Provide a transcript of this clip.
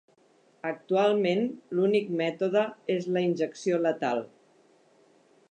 Actualment, l'únic mètode és la injecció letal.